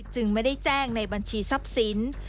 จึงไม่ได้แจ้งในบัญชีทรัพย์สิน